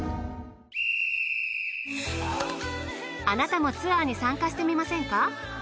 あなたもツアーに参加してみませんか？